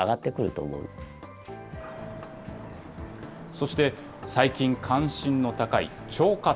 そして、最近関心の高い腸活。